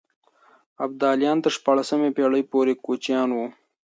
ابداليان تر شپاړسمې پېړۍ پورې کوچيان وو.